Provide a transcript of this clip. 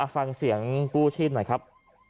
ฟังเสียงกู้ชีพหน่อยครับ